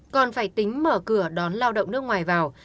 còn phải tính mở cửa đón lao động nước ngoài vào